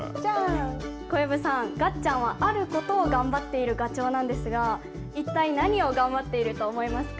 小籔さん、がっちゃんはあることを頑張っているがちょうなんですが一体、何を頑張っていると思いますか。